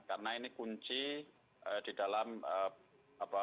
karena ini kunci di dalam kesuksesan penyelenggaraan